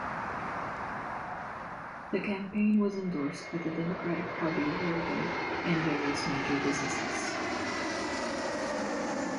The campaign was endorsed by the Democratic Party of Oregon and various major businesses.